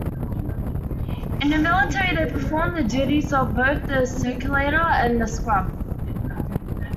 In the military they perform the duties of both the circulator and the scrub.